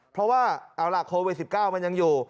เพราะว่าโคลดวีด๑๙มันยังอยู่